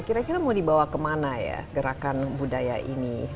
kira kira mau dibawa kemana ya gerakan budaya ini